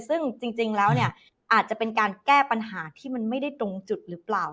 ซึ่งจริงแล้วเนี่ยอาจจะเป็นการแก้ปัญหาที่มันไม่ได้ตรงจุดหรือเปล่า